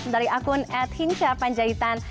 dari akun ad hinca panjaitan